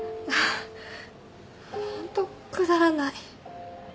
ホントくだらない。